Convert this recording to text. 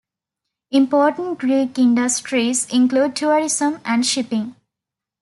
Important Greek industries include tourism and shipping.